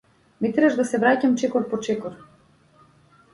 Ме тераш да се враќам чекор по чекор.